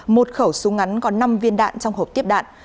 một khẩu súng ngắn có năm viên đạn trong hộp tiếp đạn